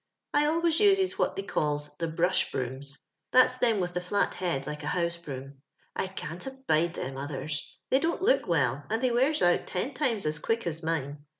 " I always uses what Uiey calls the brush brooms; tliat's them with a flat heed like a house broom. I can't abide them othen; they don't look well, and thoy wears out ten times as quick as mine.